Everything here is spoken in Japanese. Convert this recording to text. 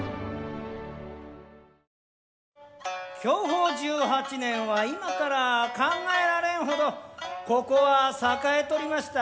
享保十八年は今からは考えられんほどここは栄えとりました。